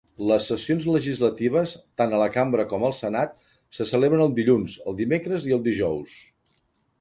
Les sessions legislatives, tant a la Cambra com al Senat, se celebren el dilluns, el dimecres i el dijous.